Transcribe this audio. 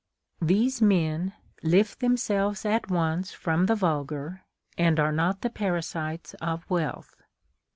These men lift themselves at once from the vulgar, and are not the parasites of wealth.